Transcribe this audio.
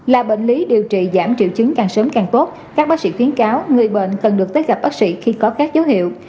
là bệnh lý điều trị giảm triệu chứng càng sớm càng tốt các bác sĩ khuyến cáo người bệnh cần được tới gặp bác sĩ khi có các dấu hiệu